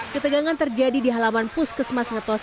ketegangan terjadi di halaman puskesmas ngetos